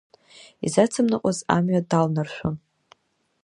Изацымныҟәаз амҩа далнаршәон.